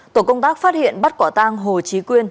tổ công tác phát hiện bắt quả tang hồ trí quyên